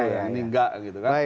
ini enggak gitu kan